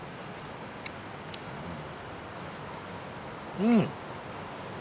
うん！